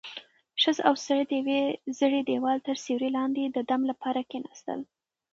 ښځه او سړی د یوې زړې دېوال تر سیوري لاندې د دم لپاره کېناستل.